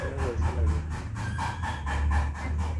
সে নিজের আঁচলে বাঁধা চাবির গোছা লইয়া নাড়িতে লাগিল।